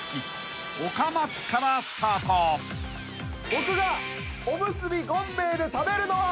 僕がおむすび権米衛で食べるのは。